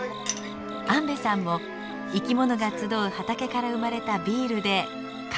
安部さんも生きものが集う畑から生まれたビールで乾杯。